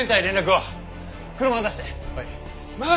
はい。